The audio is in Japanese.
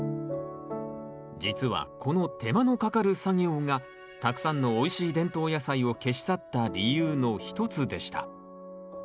実はこの手間のかかる作業がたくさんのおいしい伝統野菜を消し去った理由の一つでした。